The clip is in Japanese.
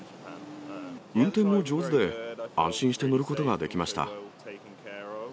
運転も上手で、安心して乗ることができました。